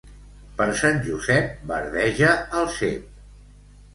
Per Sant Josep, verdeja el cep.